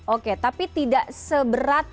oke tapi tidak seberat